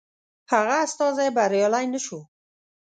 هغه استازی بریالی نه شو.